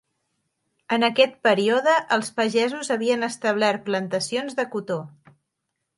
En aquest període, els pagesos havien establert plantacions de cotó.